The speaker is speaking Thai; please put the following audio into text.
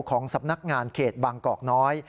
ของสำนักงานเขตบางกอกน้อย